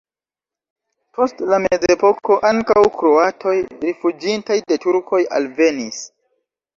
Post la mezepoko ankaŭ kroatoj rifuĝintaj de turkoj alvenis.